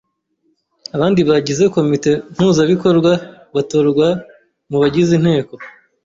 Abandi bagize Komite Mpuzabikorwa batorwa mu bagize Inteko